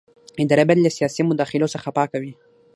اداره باید له سیاسي مداخلو څخه پاکه وي.